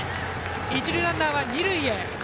一塁ランナーは二塁へ。